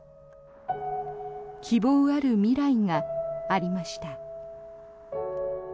希望ある未来がありました。